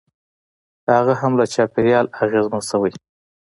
هغه هم له چاپېریال اغېزمن شوی.